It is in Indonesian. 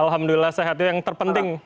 alhamdulillah sehat yang terpenting